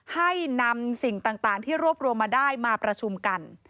ให้นำสิ่งต่างที่รวบรวมมาได้มาประชุมกัน